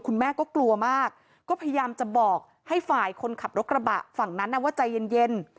แม่ก็กลัวมากก็พยายามจะบอกให้ฝ่ายคนขับรถกระบะฝั่งนั้นว่าใจเย็น